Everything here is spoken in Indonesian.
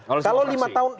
oleh semua fraksi